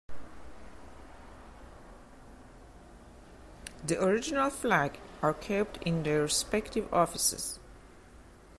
The original flags are kept in their respective offices.